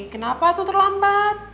kenapa tuh terlambat